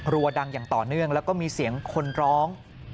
ดังอย่างต่อเนื่องแล้วก็มีเสียงคนร้อง